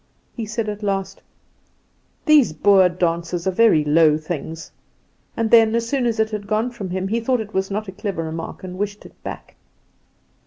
He said, at last: "These Boer dances are very low things;" and then, as soon as it had gone from him, he thought it was not a clever remark, and wished it back.